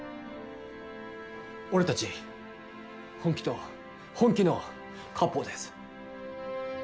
俺たち本気と本気のカップルです。